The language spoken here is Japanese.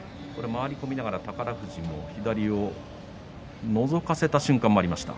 回り込みながら宝富士も左をのぞかせた瞬間がありました。